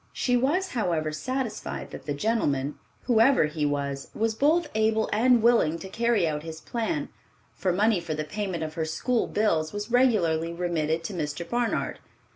She was, however, satisfied that the gentleman, whoever he was, was both able and willing to carry out his plan, for money for the payment of her school bills was regularly remitted to Mr. Barnard.